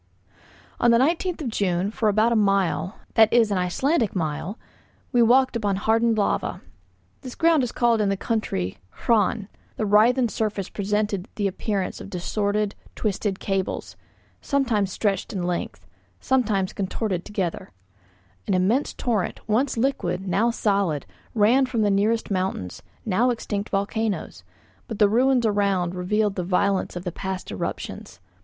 On the 19th of June, for about a mile, that is an Icelandic mile, we walked upon hardened lava; this ground is called in the country 'hraun'; the writhen surface presented the appearance of distorted, twisted cables, sometimes stretched in length, sometimes contorted together; an immense torrent, once liquid, now solid, ran from the nearest mountains, now extinct volcanoes, but the ruins around revealed the violence of the past eruptions.